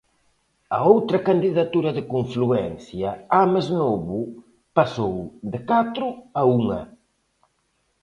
A outra candidatura de confluencia, Ames Novo, pasou de catro a unha.